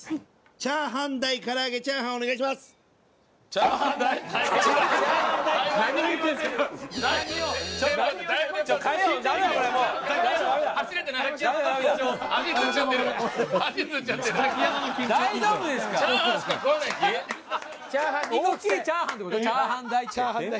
チャーハン大チャーハン。